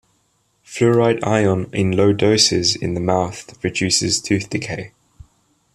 Fluoride ion in low doses in the mouth reduces tooth decay.